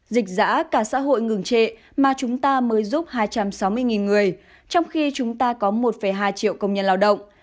dịch giã cả xã hội ngừng trệ mà chúng ta mới giúp hai trăm sáu mươi người trong khi chúng ta có một hai triệu công nhân lao động